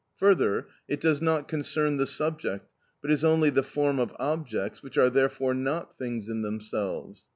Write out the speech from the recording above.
Further, it does not concern the subject, but is only the form of objects, which are therefore not things in themselves.